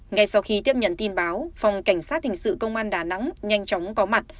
ngay sau khi tiếp nhận tin báo phòng cảnh sát hình sự công an đà nẵng nhanh chóng có mặt